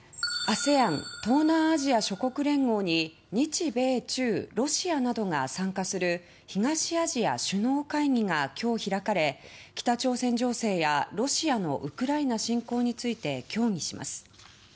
ＡＳＥＡＮ・東南アジア諸国連合に日米中ロシアなどが参加する東アジア首脳会議が今日開かれ北朝鮮情勢やロシアのウクライナ侵攻について協議します。